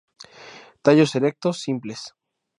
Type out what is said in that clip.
Tallos erectos, simples.